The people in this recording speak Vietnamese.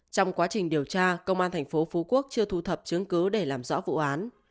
trong quá trình điều tra công an thành phố phú quốc chưa thu thập chứng cứ để làm rõ vụ án